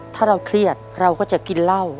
ถ้าเราเครียดเราก็จะกินเหล้า